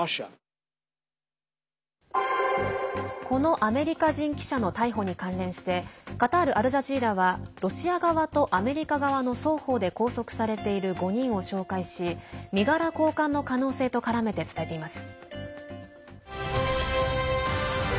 このアメリカ人記者の逮捕に関連してカタール・アルジャジーラはロシア側とアメリカ側の双方で拘束されている５人を照会し身柄交換の可能性と絡めて伝えています。